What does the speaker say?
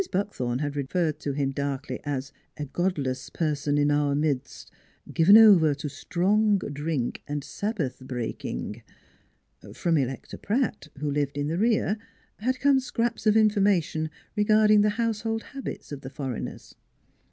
Buckthorn had referred to him darkly as " a god less person in our midst, given over to strong drink and Sabbath breaking." From Electa Pratt, who lived in the rear, had come scraps of information regarding the household habits of the foreigners.